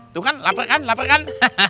tuh kan lapar kan lapar kan